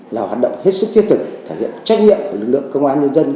là hoạt động hết sức thiết thực thể hiện trách nhiệm của lực lượng công an nhân dân